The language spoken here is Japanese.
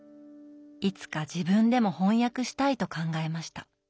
いつか自分でも翻訳したいと考えました。